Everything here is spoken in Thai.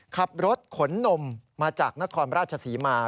ขับรถขนนมมาจากนครราชศรีมา